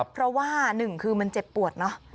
เพราะว่าหนึ่งคือมันเจ็บปวดเนอะ